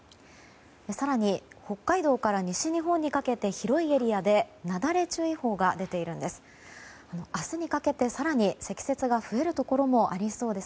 更に、北海道から西日本にかけて広いエリアでなだれ注意報が出ているんです。